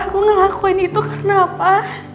aku ngelakuin itu karena apa